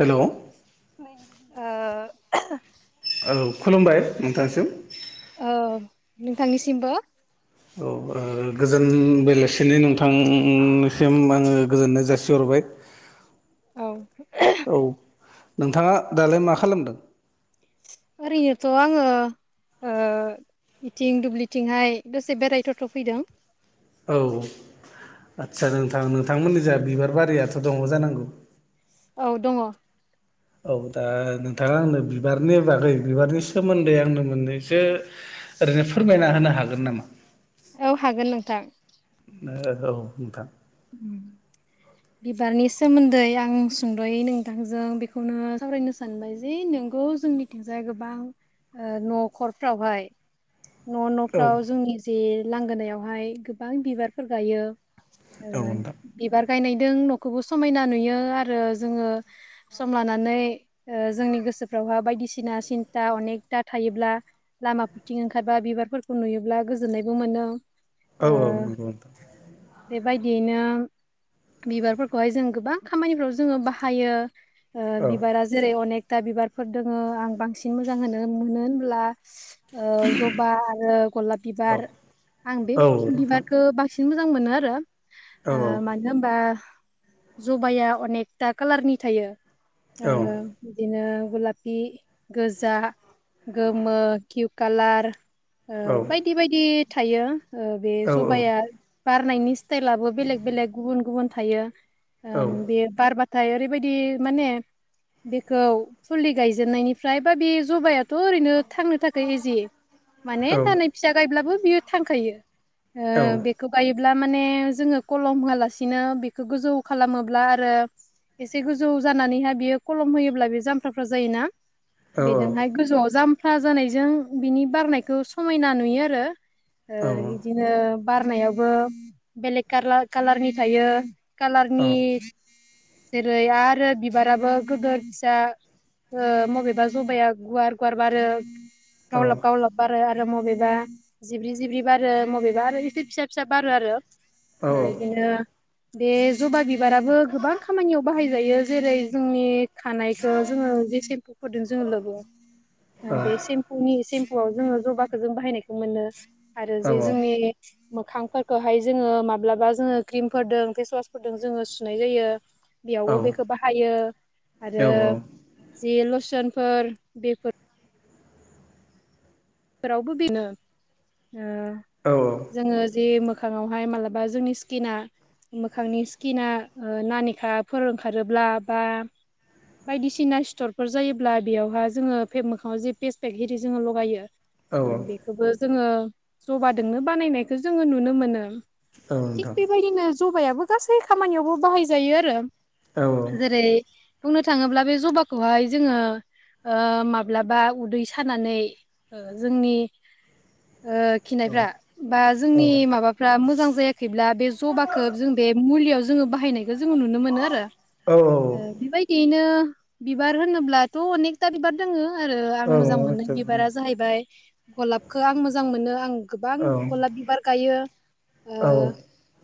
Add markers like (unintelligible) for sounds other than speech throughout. हेल' ओ। (unintelligible) खुलुमबाय नोंथांनि सिम औ नोंथांनिसिमबो औ गोजोन बेलासिनि नोंथांनिसिम आङो गोजोननाय जासिहरबाय। (unintelligible) औ। औ नोंथाङा दालाय मा खालामदों? ओरैनोथ' आङो। ओ बिथिं दुब्लिथिंहाय दसे बेरायथावथाव फैदों।। औ आदसा दे नोंथां नोंथांमोननि जाय बिबार बारियाथ' दङ जानांगौ। औ दङ'। औ दा नोंथाङा आंनो बिबारनि बागै बिबारनि सोमोन्दै आंनो मोननैसो ओरैनो फोरमायना होनो हागोन नामा? औ हागोन नोंथां। औ नोंथां। बिबारनि सोमोन्दै आं सुंद'यै नोंथांजों बेखौनो सावरायनो सान सानबाय जे नोंगौ जोंनिथिंजाय गोबां ओ न'खरफ्रावहाय न' औ न'फ्राव जोंनि जे लांगोनायावहाय गोबां बिबारफोर गायो। ओ औ नोंथां बिबार गायनायदों न'खौबो समायना नुयो आरो जोङो। सम लानानै ओ जोंनि गोसोफ्रावहा बायदिसिना सिन्था अनेकथा थायोब्ला। लामाफोरथिं ओंखारबा बिबारफोरखौ नुयोब्ला गोजोननायबो मोनो। औ ओ औ औ (unintelligible) बेबायदियैनो बिबारफोरखौहाय जों गोबां खामानिफ्राव जोङो बाहायो। ओ औ बिबारा जेरै अनेकथा बिबारफोर दोङो आं बांसिन मोजां होनो मोनो होनब्ला। ओ जबा आरो गलाप बिबार औ आं बे औ नोंथां बिबारखौ बां सिन मोजां मोनो आरो औ ओ मान मा होमबा जबाआ अनेकथा खालारनि थायो। ओ औ बिदिनो गुलाफ गोजा। गोमो किउ कालार औ बायदि बायदि थायो बे औ जबाइाया बारनायनि गुब गुब बार नाथाय ओरैबायदि माने बेखौ फुलि गायजेननायनिफ्राय बा बे जबाया थ' ओरैनो थांनो थाखाय इजि माने दान फिसा गायब्लाबो बियो थांखायो। ओ गायोब्ला माने जोङो कलम होआलासिनो बेखौ गोजौ खालामोब्ला आरो एसे गोजौ जानानैहाय बियो खलम होयोब्ला बे जामफ्राफ्रा जायोना। बेजोंहाय गोजौआव जामफा जानायजों बिनि बारनायखौ समायना नुयो आरो ओ बिदिनो बारनायावबो बेलेक कालार कालारनि थायो। कालारनि जेरै आरो बिबाराबो गोदोर फिसा ओ मबेबा जबाइाया गुवार गुवार बार गावलब गावलब बारो आरो मबेबा जिब्र्रि जिब्र्रि बारो मबेबा आरो इसे फिसा फिसा बारो आरो औ ओ बिदिनो बे जबा बिबाराबो गोबां खामानियाव बाहायजायो जेरै जोंनि खानायखौो जोङो जे सेम्पुफोरदों जोङो लबो बे सेम्पु फुंनि सेम्पुआव जोङो जबाखौ जों बाहायनायखौ मोनो आरो जे जोंनि मोखांफोरफोरखौहाय जोङो माब्लाबा जोङो क्रिमफोरदों फेसवासफोरजों जोङो सुनाय जायो। बेयावबो बेखौ बाहायो आरो औ जि लसोनफोर बेफोर फोरावबो बेनो ओ औ औ जोङो जे मोखाङावहाय मालाबा जोंनि स्किना मोखांनि स्किना ओ नानिखा फोर ओखारोब्ला बा बायदिसिना स्थरफोर जायोब्ला बेयावहा जोङो फेब मोखाङाव जे पेसपेक एरि जोङो लगायो औ औ ओ बेखौबो जोङो जबाजोंनो बानायनायखौ जोङो नुनो मोनो थिग नोंथां बेबायदिनो जबाइाबो गासै खामानियावबो बाहायजायो आरो औ जेरै बुंनो थाङोब्ला बे जबाखौहाय जोङो माब्लाबा उदै सानानै जोंनि ओ औ औ खिनायफ्रा बा जोंनि औ माबा फ्रा मोजां जायाखैब्ला बे जबाखौ जों बे मुलियाव जोङो बाहायनाय बे जोङो नुनो मोनो आरो ओ बेबायदियैनो बिबार होनोब्लाथ' अनेक अनेखथा बिबार दङो आरो आं मोजां मोनो बिबारा जाहैबाय गलाबखौ आं मोजां मोनो आं गोबां गलाप बिबार गायो ओ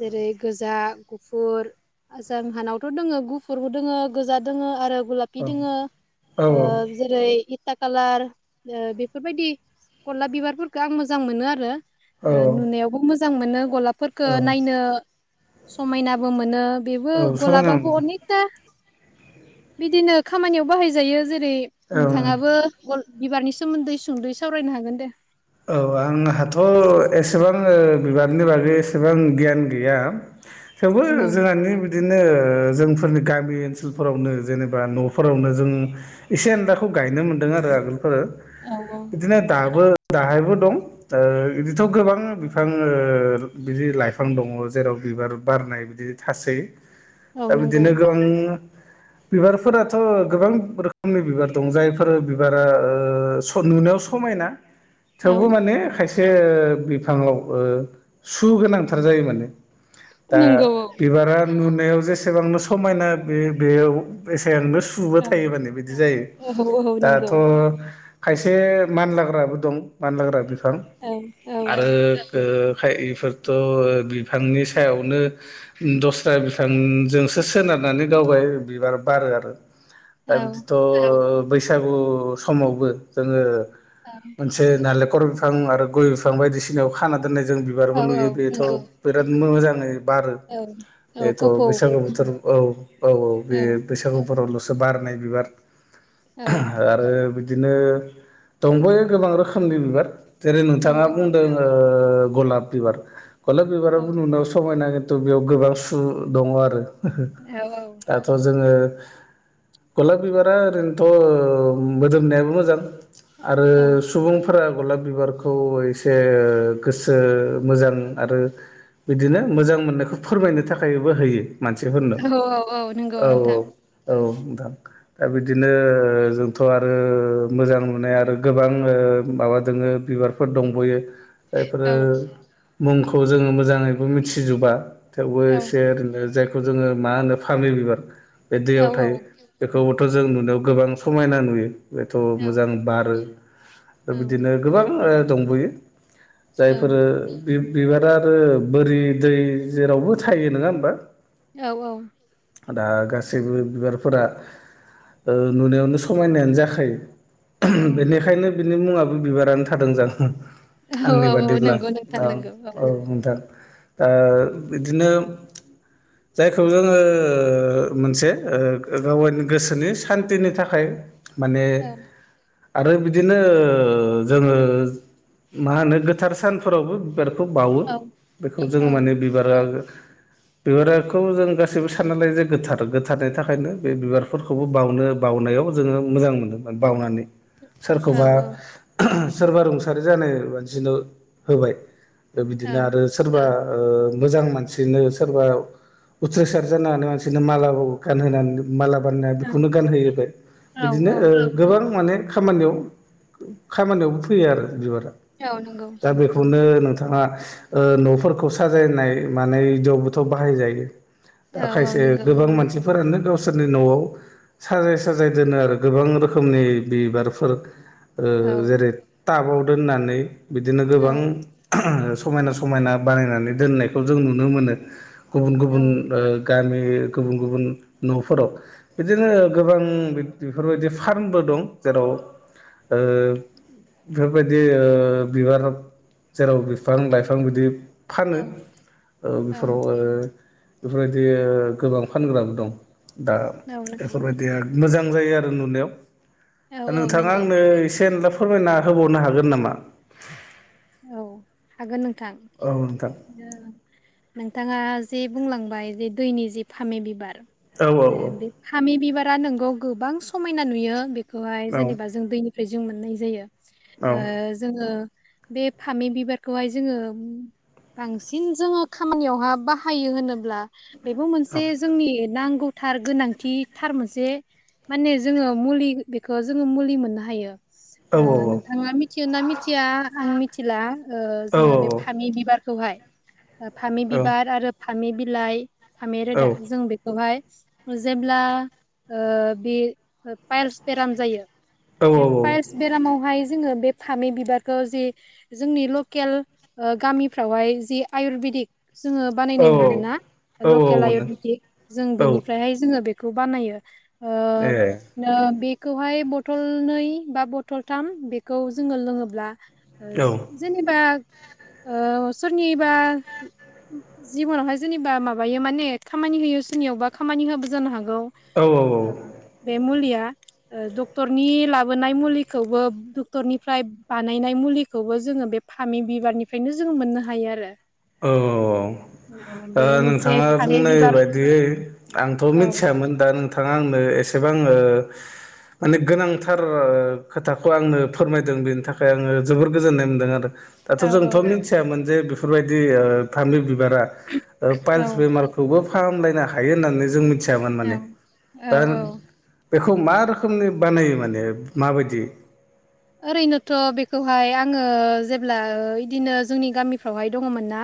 जेरै गोजा गुफुर आ जारहानावथ' दोङो गुफुरबो दोङो गोजा दोङ आरो गुलाब बिदि दोंगो ओ जेरैल हेगथा कालार ओ बे बेफोरबायदि गलाब बिबारफोरखौो आं मोजां मोनो आरो औ ओ नुनायावबो मोजां मोनो गलाब फोरखो औ नायनो समायनाबो मोनो बेबो समायना गलाबाबो अनेकथा बिदिनो खामानियाव बाहायजायो जेरै मोनो औ नोंथाङाबो गल बिबारनि सोमोन्दै सुंद'यै सावरायनो हागोन दे औ आंहाथ' एसेबां ओ बिबारनि बागै एसेबां गियान गैया थवबो औ जोंहानि बि बिदिनो जोंफोरनि गामि ओनसोलफोरावनो जेनेबा न'फोरावनो जों इसे (unintelligible) गायनो मोनदों आरो आगोलफोर औ औ बिदिनो दाबो दाहायबो दं ओ बिदिथ' गोबां बिफां ओ बिदि लाइफां दङ जेराव बिबार बारनाय बिदि थासै औ दा नंगौ बिदिनो गोबां बिबारफोराथ' गोबां रोखोमनि बिबार दं जायफोरो ओ बिबारा नुनायाव समायना औ थेवबो माने खायसे बिफाङाव ओ सु गोनांथार जायो माने दा नंगौ बिबारा नुनायाव जेसेबांनो समायना बे बेयाव एसे आनो स सुबो औ थायोबानो बिदि जायो औ औ औ नंगौ दाथ' खायसे मानलाग्राबो दं मानलाग्रा बिफां औ औ आरो ओ खाय इफोरथ' बिफांनि सायावनो दस्रा बिफांजोंसो सोनारनानै गावबाय बिबार बारो आरो दा औ बिदिथ' बैसागु समावबो जोङो (unintelligible) से नालेखर बिफां आरो गय बिफां बायदिसिनायाव खाना दोननाय जों औ बिबारबो औ नुयो बेथ' नंगौ बिराद मोजाङै बारो औ औ बेथ' कफौ बैसागु बोथोर औ औ औ बे बैसागुफोरावल'सो बारनाय बिबार औ (unintelligible) आरो बिदिनो दंब'यो गोबां रोखोमनि बिबार जेरै औ नोंथाङा बुंदों ओ गलाब बिबार गलाब औ बिबाराबो नुनायाव समायना थ' बेयाव गोबां सु दङ आरो दाथ' जोङो गलाब बिबारा ओरैनोथ' ओ मोदोमनायाबो मोजां आरो औ सु सुबुंफोरा गलाब बिबारखौ एसे गोसो मोजां आरो बिदिनो मोजां मोननायखौ फोरमायनो थाखायबो होयो मानसिफोरनो औ औ औ नंगौ (unintelligible) औ नोंथां नोंथां दा बिदिनो जोंथ' आरो मोजां मोननाय आरो गोबां ओ माबा दङो बिबारफोर दंब'यो औ बेफोरो मुंखौ जोङो मोजाङैबो मिथिजोबा थेवबो औ एसे ओरैनो जाय खौ जोङो मा होनो फामे बिबार बे औ दैयाव औ थायो। बेखौबोथ' जों नुनायाव गोबां समायना नुयो बेथ' औ मोजां बारो। औ बिदिनो गोबां ओ दंबोयो औ जायफोरो बि बिबारा आरो बोरि दै जेरावबो थायो नोङा होमबा? औ औ। दा गासैबो बिबारफोरा ओ नुनायाव समायनायानो जाखायो। (unintelligible) बिनिखायनो बिनि मुङाबो बिबारानो थादों जा (unintelligible) आंनि औ बादिब्ला नंगौ नोंथां औ नंगौ औ नोंथां। ओ बिदिनो जायखौ जोङो ओ मोनसे ओ गावानि गोसोनि सान्थिनि थाखाय माने औ आरो बिद दिनो जोङो मा होनो गोथार सानफोरावबो बिबार खौ बाववो औ बेखौ औ जोङो माने बिबारा बिबाराखौ जों गासैबो सानना लायो जे गोथार गोथारनि थाखायनो बे बिबारफोरखौबो बावनो बावनायाव जोङो मोजां मोनदोंमोन बावनानै। औ सोरखौबा (unintelligible) सोरबा रुंसारि जानाय मानसिनो होबाय। दा औ बिदिनो आरो सोरबा ओ मोजां मानसिनो सोरबा उथ्रिसार जानोहानाय मानसिनो मालाबाव गानहोनानै माला बानायना बेखौनो गानहोयोरो औ बिदिनो ओ गोबां माने खामानियाव खामानियावबो फैयो आरो बिबारा नियाव नंगौ। दा बेखौनो नोंथाङा ओ न'फोरखौ साजायनाय माने इदियावबोथ' बाहायजायो। दा औ औ खायसे नंगौ गोबां मानसि फोरानो गावसोरनि न'आव साजाय साजाय दोनो आरो गोबां रोखोमनि बिबार फोर औ ओ औ जेरै नंगौ टाबाव दोननानै बिदिनो गोबां समायना समायना बानायनानै दोननायखौ जों नुनो मोनो गुबुन गुबुन ओ गामि गुबुन गुबुन न'फोराव। बिदिनो गोबां बेफोरबायदि फार्मबो दं जेराव ओ। बेफोरबायदि ओ बिबार जेराव बिफां लाइफां बिदि फानो औ ओ बेफोराव ओ बेफोरबायदि ओ गोबां फानग्राबो दं। दा बेफोरबायदिया मोजां जायो आरो नुनायाव। औ नोंथाङा नंगौ आंनो एसे एला फोरमायना होबावनो हागोन नामा। औ हागोन नोंथां। औ नोंथां। नोंथाङा जे बुंलांबाय बे दैनि जे फामे बिबार औ औ ओ बे फामि बिबारा नोंगौ गोबां समायना नुयो बेखौहाय जेनेबा जों दैनि बि जों मोननाय जायो औ ओ जोङो बे फामि बिबारखौहाय जोङो बांसिन जोङो खामानियावहा बाहायो होनोब्ला बेबो मोनसे जोंनि नांगौथार गोनांथिथार मोनसे माने जोङो मुलि बेखो जोङो मुलि मोननो हायो। औ ओ नोंथाङा मिथियो ना मिथिया आं मिथिला ओ औ जोङो औ ए औ बे फामि बिबारखौहाय फामि बिबार आरो थामि बिलाइ फामि रोदा जों बे बेवहाय जेब्ला ओ बे पाइल्स बेराम जायो बे पाइल्स बेरामावहाय जोङो बे फामि बिबार ओ जि जोंनि लकेल ओ गामिफ्रावहाय जि आयुरवेदिक जोङो बानायनाय मोनोना लकेल आयुरबेदिक जों बिनिफ्राय हाय जोङो बेखौ बानायो। ओ ए। बेखौहाय बथल नै बा बथलथाम बेखौ जोङो लोङोब्ला ओ जेनेबा ओ सोरनिबा जिबनावहाय जेनेबा माबायो माने खामानि होयो सोरनियावबा खामानि होयाबो जानो हागौ। औ बे मुलिया ओ डक्टरनि लाबोनाय मुलिखौबो डक्टरनिफ्राय बाद बानायनाय मुलिखौबो जोङो बे फामि बिबारनिफ्रायनो जोंङो मोननो हायो आरो। औ औ औ। ओ बे मोनसे नोंथाङा फामि बुंनाय बिबार बायदियै आंथ' औ मिथियामोन दा नों थाङा आंनो एसेबां ओ माने गोनांथार ओ खोथाखौ आंनो फोरमायदों बेनि थाखाय जोबोर गोजोननाय मोनदों आरो। दाथ' औ जोंथ' मिथियामोन जे बिफोर बायदि फामि बिबारा औ पाइल्स बेमारखौ थेवबो फाहामलायनो हायो होननानै जों मिथियामोन माने औ दा औ औ बेखौ मा रोखोमनि बानायो माने माबायदि? ओरैनोथ' बेखौहाय आङो जेब्ला इदिनो जोंनि गामिफ्रावहाय दङमोन ना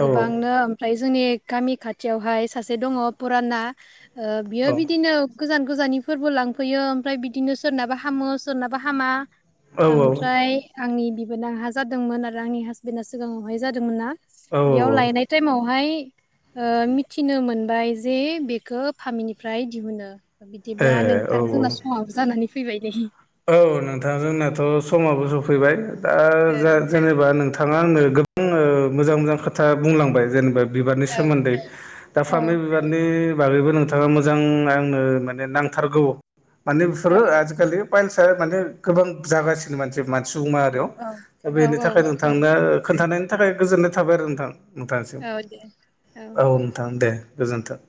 औ गोबांनो ओमफ्राय जोंनि गामि खाथियावहाय सासे दङ पुराना ओ औ बियो बिदिनो गोजान गोजाननि फोरबो लांफैयो ओमफ्राय बिदिनो सोरनाबा हामो सोरनाबा हामा औ आमफ्राय आंनि बिबोना आंहा जादोंमोन आरो हासबेन्डआ सिगाङावहाय जादोंमोनना औ बेयाव औ लायनाय टाइमावहाय ओ मिथिनो मोनबाय जे बेखो फामिनिफ्राय दिहुनो ए बिदिब्ला औ नोंथां औ जोंना समाबो जानानै फैबाय नै औ नोंथां जोंनाथ' समाबो सफैबाय दा जा जे बा नोंथाङा आंनो गोबांनो मोजां मोजां खोथा बुंलांबाय जेनेबा बिबारनि औ सोन्दै दा औ फामे बिबार नि बागैबो नोंथाङा मोजां नो आंनो माने नांथारगौ माने औ बेफुरो आजिखालि पाइलसा माने गोबां जागासिनो मानसि सुबुमाहारियाव औ दा औ बेनि थाखाय औ नोंथांनो खोन्थानायनि थाखाय गोजोननाय थाबाय आरो नोंथां बेयावनो थासिगोन औ दे औ नोंथां दे गोजोनथों